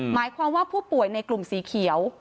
หมายความว่าผู้ป่วยในกลุ่มสีเขียว